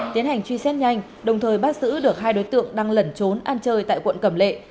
tiến hành truy xét nhanh đồng thời bắt giữ được hai đối tượng đang lẩn trốn ăn chơi tại quận cẩm lệ